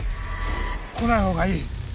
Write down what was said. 来ない方がいい。